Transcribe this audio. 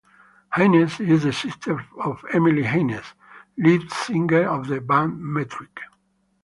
Haines is the sister of Emily Haines, lead singer of the band Metric.